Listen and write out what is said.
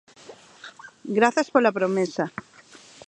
Grazas pola promesa.